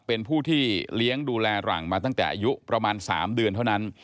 เป็นผู้ที่เลี้ยงดูแลหลังมาตั้งแต่อายุประมาณ๓เดือนเท่านั้น